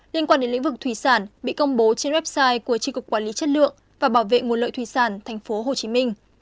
liên quan đến lĩnh vực thú y sản bị công bố trên website của trị cục quản lý chất lượng và bảo vệ nguồn lợi thú y sản tp hcm